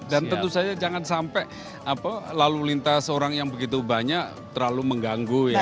dan tentu saja jangan sampai lalu lintas orang yang begitu banyak terlalu mengganggu ya